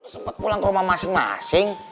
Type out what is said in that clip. sempat pulang ke rumah masing masing